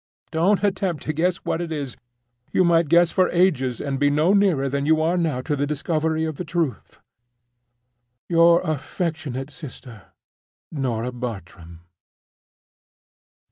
Don't attempt to guess what it is. You might guess for ages, and be no nearer than you are now to the discovery of the truth. "Your affectionate sister, "NORAH BARTRAM."